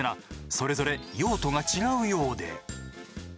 それぞれ用途が違うようで。